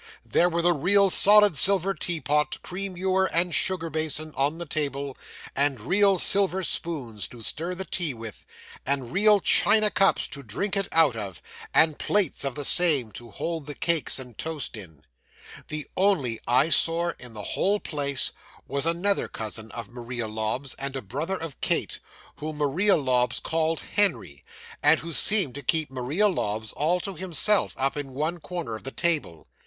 There were the real solid silver teapot, cream ewer, and sugar basin, on the table, and real silver spoons to stir the tea with, and real china cups to drink it out of, and plates of the same, to hold the cakes and toast in. The only eye sore in the whole place was another cousin of Maria Lobbs's, and a brother of Kate, whom Maria Lobbs called "Henry," and who seemed to keep Maria Lobbs all to himself, up in one corner of the table.